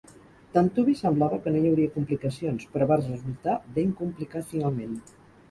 D'antuvi semblava que no hi hauria complicacions, però va resultar ben complicat finalment.